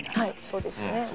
そうですよね。